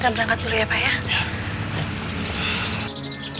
akan berangkat dulu ya pak ya